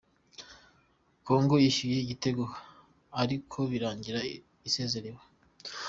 Congo yishyuye igitego, ariko birangira isezerewe